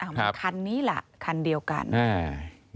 มันคันนี้ละคันเดียวกัน